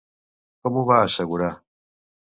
Com ho va assegurar?